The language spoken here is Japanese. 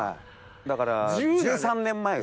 だから１３年前。